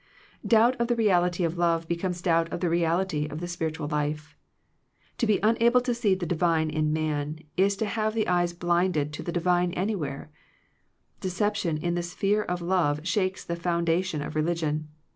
Doubt of the reality of love becomes doubt of the reality of the spiritual life. To be unable to see the divine in man, is to have the eyes blinded to the divine any whereo Deception in the sphere of love shakes the foundation of religion.